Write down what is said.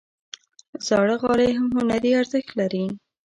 زاړه غالۍ هم هنري ارزښت لري.